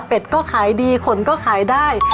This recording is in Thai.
ก็ขายดีขนก็ขายได้